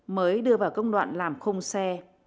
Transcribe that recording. mới đưa vào công đoạn làm khung xe